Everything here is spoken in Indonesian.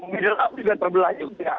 middle up juga terbelah juga